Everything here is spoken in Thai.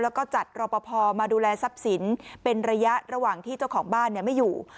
แล้วก็จัดรอปภมาดูแลทรัพย์สินเป็นระยะระหว่างที่เจ้าของบ้านไม่อยู่